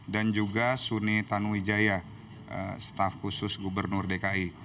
dan juga suni tanuwijaya staf khusus gubernur dki